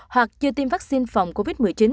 hoặc chưa tiêm vaccine phòng covid một mươi chín